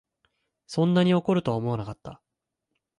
そんなに怒るとは思わなかった